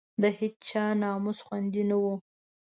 د هېچا ناموس خوندي نه وو.